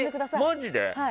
マジで？